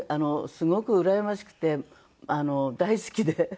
すごくうらやましくて大好きで。